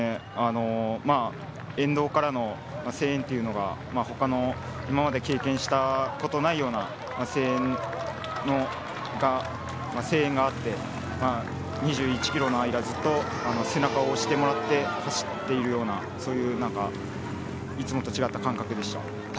沿道からの声援というのが今まで経験したことのないような声援があって、２１ｋｍの間、ずっと背中を押してもらって走っているような、いつもと違った感覚でした。